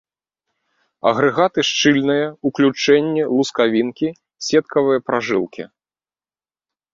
Агрэгаты шчыльныя, уключэнні, лускавінкі, сеткавыя пражылкі.